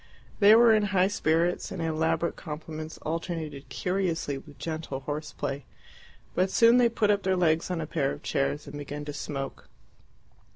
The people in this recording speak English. They were in high spirits, and elaborate compliments alternated curiously with gentle horseplay. But soon they put up their legs on a pair of chairs and began to smoke.